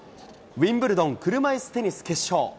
ウィンブルドン車いすテニス決勝。